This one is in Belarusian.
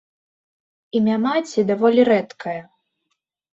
Імя маці даволі рэдкае.